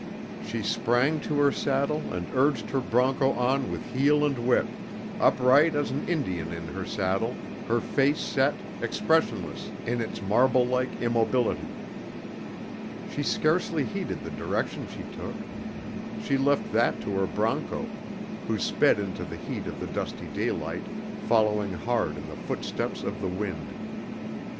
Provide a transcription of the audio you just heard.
She sprang to her saddle and urged her broncho on with heel and whip, upright as an Indian in her saddle, her face set, expressionless in its marble like immobility. She scarcely heeded the direction she took. She left that to her broncho, who sped into the heat of the dusty daylight, following hard in the footsteps of the wind.